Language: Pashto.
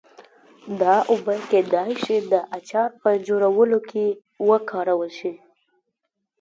دا اوبه کېدای شي د اچار په جوړولو کې وکارول شي.